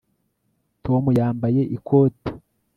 Tom yambaye ikote